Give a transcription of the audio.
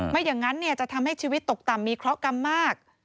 ไม่อย่างนั้นจะทำให้ชีวิตตกต่ำมีเคราะหกรรมมาก